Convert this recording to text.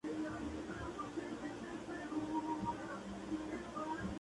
Él le hizo muchas preguntas, pero Leona no contesto ninguna.